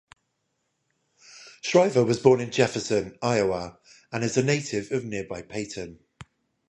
Shriver was born in Jefferson, Iowa and is a native of nearby Paton.